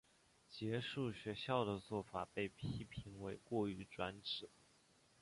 结束学校的做法被批评为过于专制。